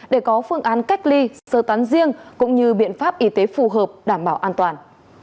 để có phương án cách ly sơ tán riêng cũng như biện pháp y tế phù hợp đảm bảo an toàn